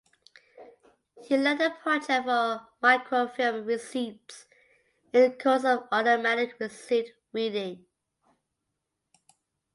He led the project for microfilming receipts in the course of automatic receipt reading.